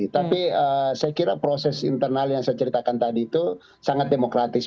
tapi saya kira proses internal yang saya ceritakan tadi itu sangat demokratis